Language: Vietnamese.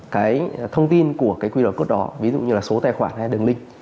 cái thông tin của cái qr code đó ví dụ như là số tài khoản hay đường link